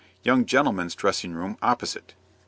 Young gentlemen's dressing room opposite."